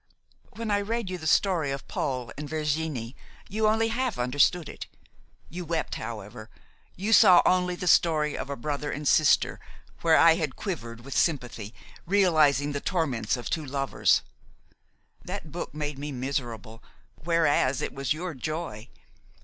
"When I read you the story of Paul and Virginie, you only half understood it. You wept, however; you saw only the story of a brother and sister where I had quivered with sympathy, realizing the torments of two lovers. That book made me miserable, whereas it was your joy.